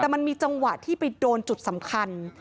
แต่มันมีจังหวะที่ไปโดนจุดสำคัญ